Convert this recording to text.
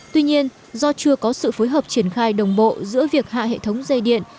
tuy nhiên do chưa có sự phối hợp triển khai đồng bộ giữa việc hạ hệ thống dây điện